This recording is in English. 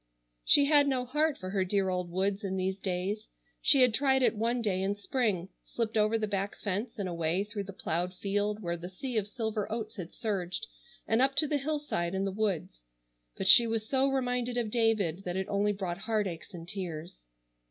She had no heart for her dear old woods in these days. She had tried it one day in spring; slipped over the back fence and away through the ploughed field where the sea of silver oats had surged, and up to the hillside and the woods; but she was so reminded of David that it only brought heart aches and tears.